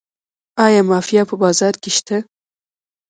آیا مافیا په بازار کې شته؟